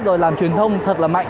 rồi làm truyền thông thật là mạnh